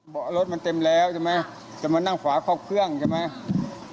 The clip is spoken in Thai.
รถมันเต็มแล้วใช่ไหมจะมานั่งขวาเข้าเครื่องใช่ไหม